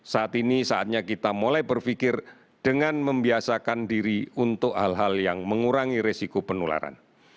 saat ini saatnya kita mulai berpikir dengan membiasakan diri untuk hal hal yang mengurangi resiko penularan